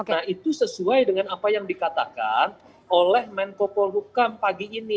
nah itu sesuai dengan apa yang dikatakan oleh menko polhukam pagi ini